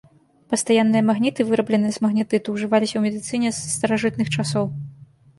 Пастаянныя магніты, вырабленыя з магнетыту, ўжываліся ў медыцыне з старажытных часоў.